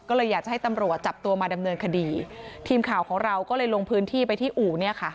ก็เลยอยากจะให้ตำรวจจับตัวมาดำเนินคดีทีมข่าวของเราก็เลยลงพื้นที่ไปที่อู่เนี่ยค่ะ